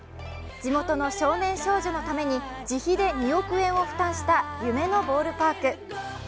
地元の少年少女のために自費で２億円を負担した夢のボールパーク。